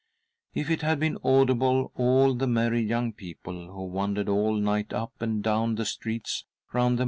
If it had been audible, all the merry young people who wandered all night up and down the streets round the